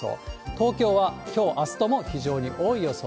東京はきょう、あすとも非常に多い予想。